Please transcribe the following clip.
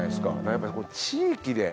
やっぱりこう地域で。